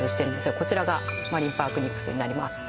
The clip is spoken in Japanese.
こちらがマリンパークニクスになります